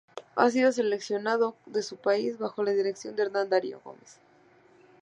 Ha sido seleccionado de su país bajo la dirección de Hernan Dario Gomez.